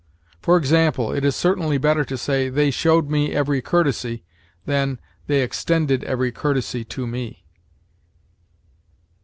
For example, it is certainly better to say, "They showed me every courtesy," than "They extended every courtesy to me."